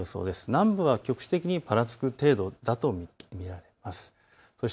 南部は局地的にぱらつく程度だと見られます。